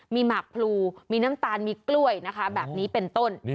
มีหมากพลูมีน้ำตาลมีกล้วยนะคะแบบนี้เป็นต้น